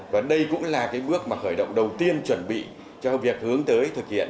và đây cũng là bước khởi động đầu tiên chuẩn bị cho việc hướng tới thực hiện